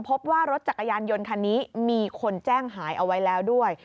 พบว่ารถจักรยานยนต์คันนี้มีคนแจ้งหายเอาไว้แล้วด้วย